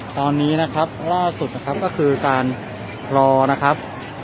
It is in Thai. ตอนนี้นะครับล่าสุดนะครับก็คือการรอนะครับ